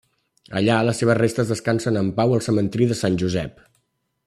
Allà les seves restes descansen en pau al cementiri de Sant Josep.